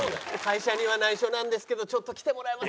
会社には内緒なんですけどちょっと来てもらえませんか？